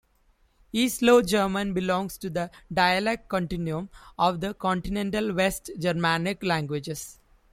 East Low German belongs to the dialect continuum of the continental West Germanic languages.